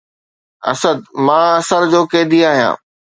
اسد! مان اثر جو قيدي آهيان